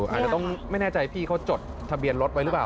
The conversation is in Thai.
อาจจะต้องไม่แน่ใจพี่เขาจดทะเบียนรถไว้หรือเปล่า